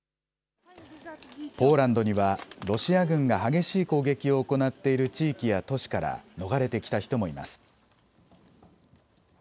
ポーランドにはロシア軍が激しい攻撃を行っている地域や都市から逃れてきた人もいます。